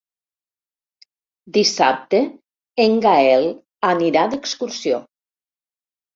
Dissabte en Gaël anirà d'excursió.